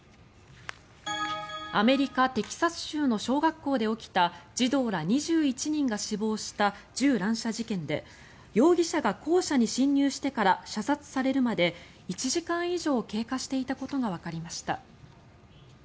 アメリカ・テキサス州の小学校で起きた児童ら２１人が死亡した銃乱射事件で容疑者が校舎に侵入してから射殺されるまで１時間以上経過していたことがわかりました。